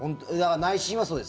内心はそうです。